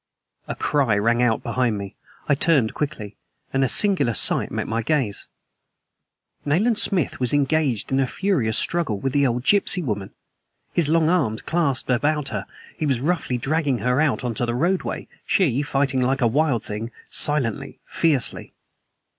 A cry rang out behind me. I turned quickly. And a singular sight met my gaze. Nayland Smith was engaged in a furious struggle with the old gypsy woman! His long arms clasped about her, he was roughly dragging her out into the roadway, she fighting like a wild thing silently, fiercely.